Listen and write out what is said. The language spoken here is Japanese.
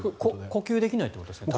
呼吸できないってことですね？